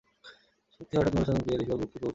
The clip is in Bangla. সত্যিই হঠাৎ মধুসূদনকে দেখে ওর বুক কেঁপে উঠেছিল আতঙ্কে।